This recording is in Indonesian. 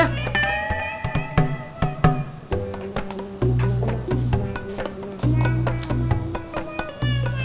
tidak ada yang bisa dipercaya